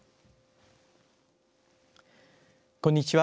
こんにちは。